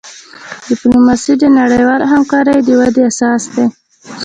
ډیپلوماسي د نړیوالی همکاری د ودي اساس دی.